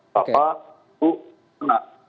bapak ibu anak